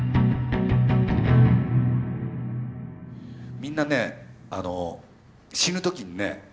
みんなねあの死ぬ時にね